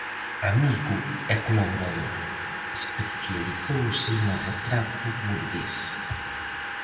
Amigo e colaborador, especializouse no retrato burgués.